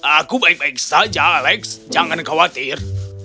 aku baik baik saja alex jangan khawatir